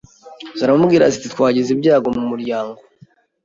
Ziramubwira ziti twagize ibyago mumuryango